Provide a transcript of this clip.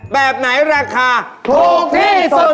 แบบไหนราคาถูกที่สุด